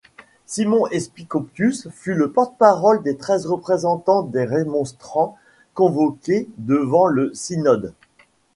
Simon Episcopius fut le porte-parole des treize représentants des remonstrants convoqués devant le synode.